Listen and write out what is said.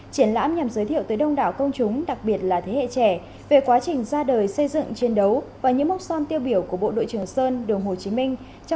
triển lãm nhằm giới thiệu tới đông đảo công chúng đặc biệt là thế hệ trẻ về quá trình ra đời xây dựng chiến đấu và những mốc son tiêu biểu của bộ đội trường sơn đường hồ chí minh